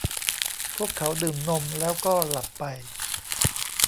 พวกเขาดื่มนมแล้วก็หลับไป